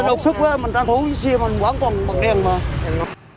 đột sức quá là mình trang thú xe mình quán còn bật đèn mà